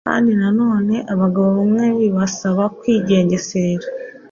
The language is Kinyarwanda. Kandi nanone abagabo bamwe bibasaba kwigengesera